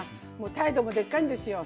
態度もでっかいんですよ。